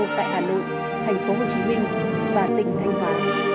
lễ an táng đồng chí lê khả phiêu tại hà nội tp hcm và tỉnh thanh hóa